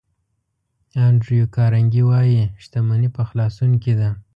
انډریو کارنګي وایي شتمني په خلاصون کې ده.